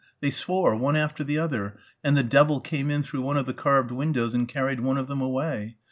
They swore one after the other and the devil came in through one of the carved windows and carried one of them away....